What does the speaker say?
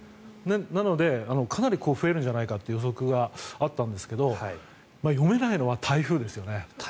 なのでかなり増えるんじゃないかという予測があったんですが読めないのは台風ですよね。